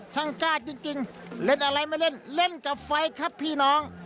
ช่างกล้าจริงเล่นอะไรไม่เล่นเล่นกับไฟครับพี่น้อง